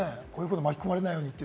巻き込まれないように。